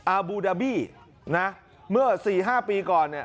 บูดาบี้เมื่อ๔๕ปีก่อน